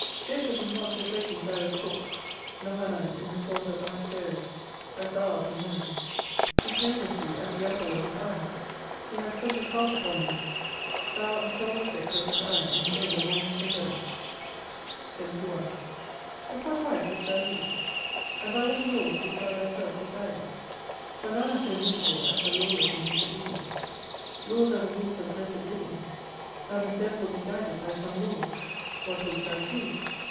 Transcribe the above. Joseph was not so great in Pharaoh's Court, nor Haman in the court of Ahasuerus, as thou art in Heaven. He tendereth thee as the apple of His eye. He hath set His heart upon thee : Thou art the sole object of His eye, and the end of all His endeavours. 71 But what life wouldst thou lead ? And by what laws wouldst thou thyself be guided ? For none are so miserable as the lawless and disobedient. Laws are the rules of blessed living. Thou must therefore be guided by some laws. What wouldst thou choose